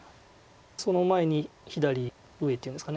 その前に左上っていうんですか。